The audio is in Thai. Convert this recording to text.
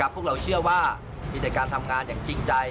พวกเราเชื่อว่ามีแต่การทำงานอย่างจริงใจ